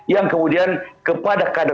yang kemudian kepada kandungan